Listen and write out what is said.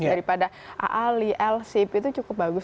daripada aali l safe itu cukup bagus